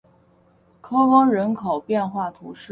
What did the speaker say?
科翁人口变化图示